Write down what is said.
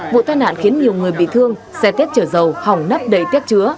vụ tai nạn khiến nhiều người bị thương xe tét chở dầu hỏng nắp đầy tét chứa